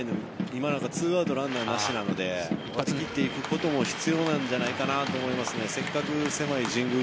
今なんかは２アウトランナーなしなので振り切っていくことも必要じゃないかと思います。